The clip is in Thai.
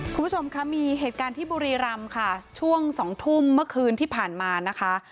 คุณผู้ชมคะมีเหตุการณ์ที่บุรีรำค่ะช่วงสองทุ่มเมื่อคืนที่ผ่านมานะคะ